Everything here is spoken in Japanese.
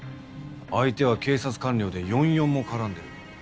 相手は警察官僚で４４も絡んでる。